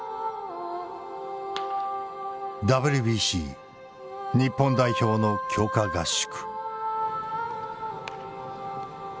ＷＢＣ日本代表の強化合宿。